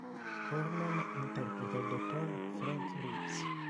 Corman interpreta il dottor Frank Reeves.